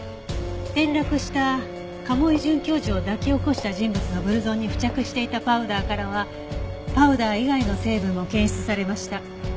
転落した賀茂井准教授を抱き起こした人物のブルゾンに付着していたパウダーからはパウダー以外の成分も検出されました。